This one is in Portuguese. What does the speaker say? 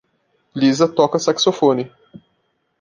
Liza toca saxofone.